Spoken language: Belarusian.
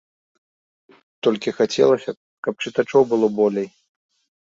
Толькі хацелася б, каб чытачоў было болей.